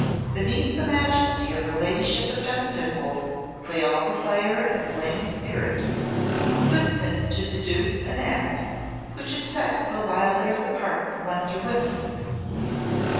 Beneath the majesty of her Ladyship of Dunstanwolde lay all the fire and flaming spirit, the swiftness to deduce and act, which had set Clo Wildairs apart from lesser women.